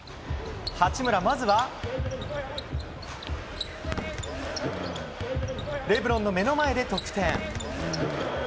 八村、まずはレブロンの目の前で得点。